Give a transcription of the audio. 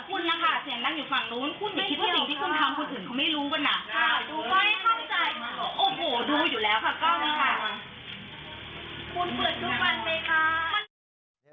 คุณเปิดรูปกันไหมคะ